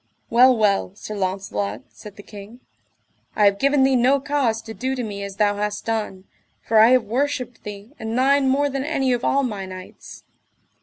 Well well, Sir Launcelot, said the king, I have given thee no cause to do to me as thou hast done, for I have worshipped thee and thine more than any of all my knights.